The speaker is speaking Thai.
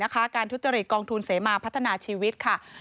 การทุจริตกองทุนเสมาพัฒนาชีวิตค่ะ